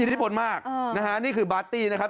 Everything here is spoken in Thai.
ที่พลมากนะฮะนี่คือปาร์ตี้นะครับ